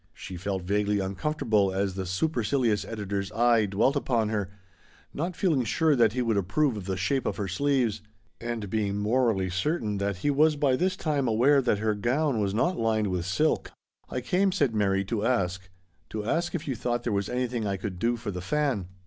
She felt vaguely uncomfortable as the supercilious editor's eye dwelt upon her, not feeling sure that he would approve of the shape of her sleeves, and being morally certain that he was by this time aware that her gown was not lined with silk. " I came," said Mary, " to ask — to ask if you thought there was anything I could do for The Fan?"